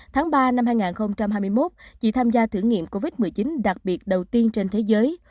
tháng ba năm hai nghìn hai mươi một chị tham gia thử nghiệm covid một mươi chín đặc biệt đầu tiên trên thế giới